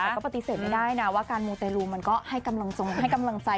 แต่ก็ปฏิเสธไม่ได้นะว่าการมูเตรลูมันก็ให้กำลังใจ